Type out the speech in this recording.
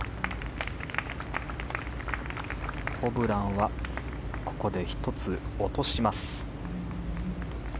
ホブランはここで１つ落とします。